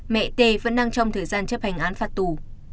mẹ t vẫn đang trong thời gian chấp hành án phạt tù